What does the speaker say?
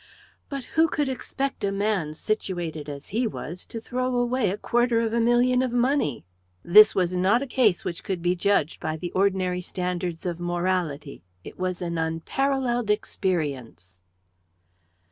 But who could expect a man situated as he was to throw away a quarter of a million of money? This was not a case which could be judged by the ordinary standards of morality it was an unparalleled experience.